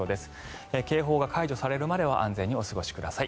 警報が解除されるまでは安全にお過ごしください。